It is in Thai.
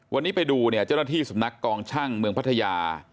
วันนี้ไปดูเนี่ยเจ้าหน้าที่สำนักกองช่างเมืองพัทยา